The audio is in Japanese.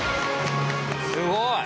すごい！